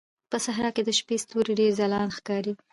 په صحراء کې د شپې ستوري ډېر ځلانده ښکاري.